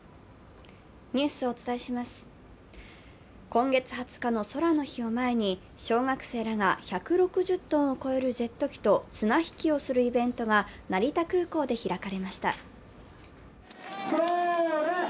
今月２０日の空の日を前に、小学生らが１６０ｔを超えるジェット機と綱引きをするイベントが成田空港で開かれました。